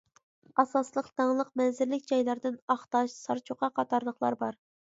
ئاساسلىق داڭلىق مەنزىرىلىك جايلىرىدىن ئاقتاش، سارچوقا قاتارلىقلار بار.